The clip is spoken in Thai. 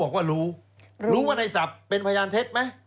บอกว่ารู้รู้ว่าในศัพท์เป็นพยานเท็จไหม